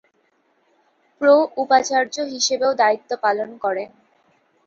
প্রো-উপাচার্য হিসাবেও দায়িত্ব পালন করেন।